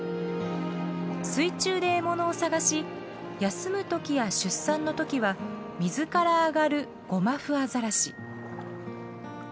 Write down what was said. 水中で獲物を探し休む時や出産の時は水から上がるゴマフアザラシ。